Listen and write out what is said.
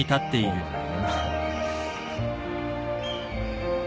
うん。